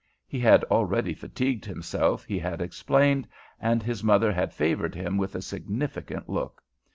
He had already fatigued himself, he had explained, and his mother had favored him with a significant look.